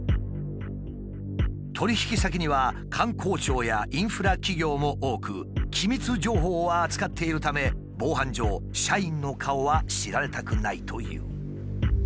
取引先には官公庁やインフラ企業も多く機密情報を扱っているため防犯上社員の顔は知られたくないという。